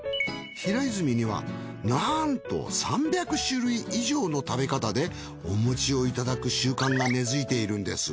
平泉にはなんと３００種類以上の食べ方でお餅をいただく習慣が根付いているんです。